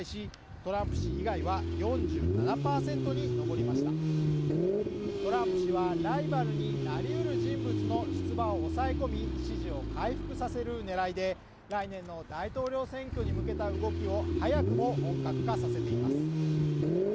トランプ氏はライバルになりうる人物の出馬を抑え込み支持を回復させる狙いで、来年の大統領選挙に向けた動きを早くも本格化させています。